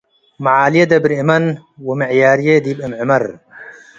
መዓልዬ ደብር እመን ወምዕያርዬ ዲብ እም-ዕመር።